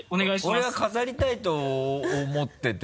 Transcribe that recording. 俺は飾りたいと思ってて。